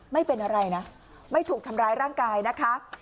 ไม่เป็นอะไรนะไม่ถูกทำร้ายร่างกายนะคะ